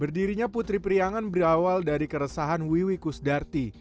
berdirinya putri priangan berawal dari keresahan wiwi kusdarti